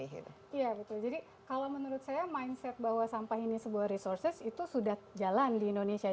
iya betul jadi kalau menurut saya mindset bahwa sampah ini sebuah resources itu sudah jalan di indonesia